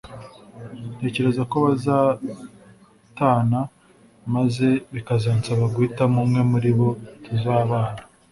ntekereza ko bazatana maze bikazansaba guhitamo umwe muri bo tuzabana